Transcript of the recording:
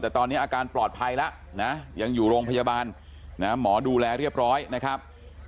แต่ตอนนี้อาการปลอดภัยแล้วนะยังอยู่โรงพยาบาลหมอดูแลเรียบร้อยนะครับ